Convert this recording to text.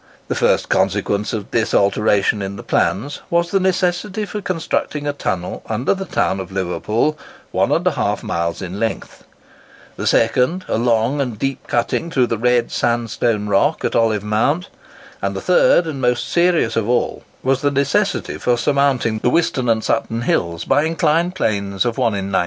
The first consequence of this alteration in the plans was the necessity for constructing a tunnel under the town of Liverpool 1½ mile in length; the second, a long and deep cutting through the red sandstone rock at Olive Mount; and the third and most serious of all, was the necessity for surmounting the Whiston and Sutton hills by inclined planes of 1 in 96.